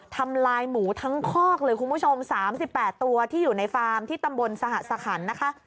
ทำลายหมูทั้งคอกเลยคุณผู้ชม๓๘ตัวที่อยู่ในฟาร์มที่ตำบลสหสคันนะคะ